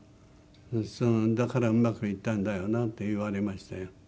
「だからうまくいったんだよな」って言われましたよ。